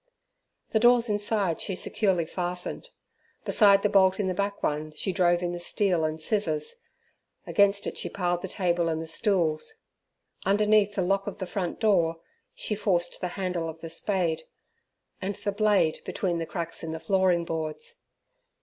The doors inside she securely fastened. Beside the bolt in the back one she drove in the steel and scissors; against it she piled the table and the stools. Underneath the lock of the front door she forced the handle of the spade, and the blade between the cracks in the flooring boards.